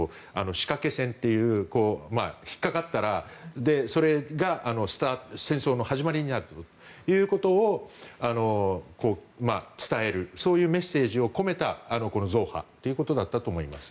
仕掛け戦という、引っかかったらそれが戦争の始まりになるということを伝えるそういうメッセージを込めた増派ということだと思います。